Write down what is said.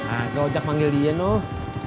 ah ngojek panggil dia noh